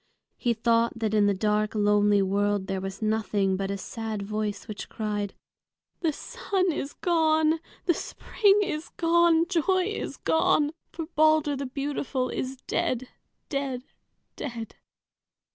He thought that in the dark, lonely world there was nothing but a sad voice, which cried, "The sun is gone! The spring is gone! Joy is gone! For Balder the beautiful is dead, dead, dead!"